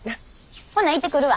ほな行ってくるわ。